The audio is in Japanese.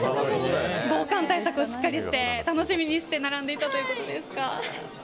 防寒対策をしっかりして楽しみにして並んでいたということですか。